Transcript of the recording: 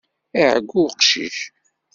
Iɛeyyu uqcic.